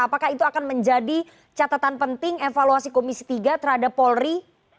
apakah itu akan menjadi catatan penting evaluasi komisi tiga terhadap polri